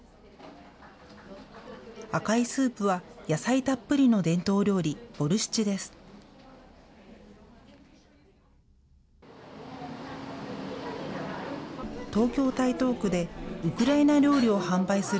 赤いスープは、野菜たっぷりの伝統料理、ボルシチです。